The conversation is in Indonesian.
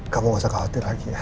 kamu gak usah khawatir lagi ya